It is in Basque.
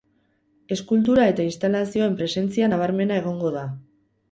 Eskultura eta instalazioen presentzia nabarmena egongo da.